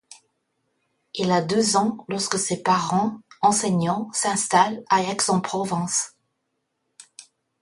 Il a deux ans lorsque ses parents, enseignants, s’installent à Aix-en-Provence.